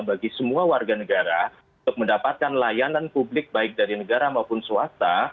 bagi semua warga negara untuk mendapatkan layanan publik baik dari negara maupun swasta